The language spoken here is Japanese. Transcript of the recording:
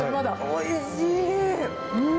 おいしい！